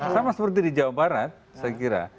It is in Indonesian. sama seperti di jawa barat saya kira